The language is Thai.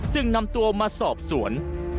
นำตัวมาสอบสวน